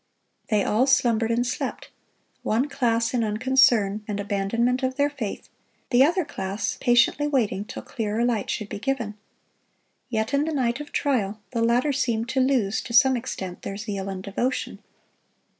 "They all slumbered and slept;" one class in unconcern and abandonment of their faith, the other class patiently waiting till clearer light should be given. Yet in the night of trial the latter seemed to lose, to some extent, their zeal and devotion.